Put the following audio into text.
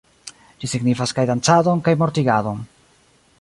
Ĝi signifas kaj dancadon kaj mortigadon